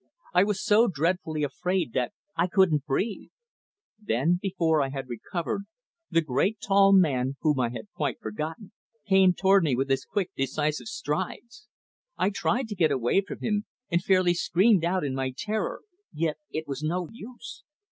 I was so dreadfully afraid that I couldn't breathe. Then, before I had recovered, the great tall man, whom I had quite forgotten, came toward me with his quick, decisive strides. I tried to get away from him, and fairly screamed out in my terror; yet it was no use.